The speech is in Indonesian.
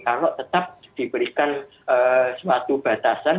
kalau tetap diberikan suatu batasan